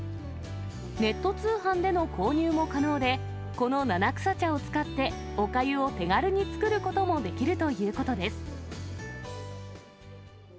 ネット通販での購入も可能で、この七草茶を使って、おかゆを手軽に作ることもできるということです。